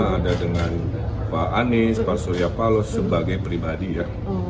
ada dengan pak anies pak suryapal sebagai pribadi ya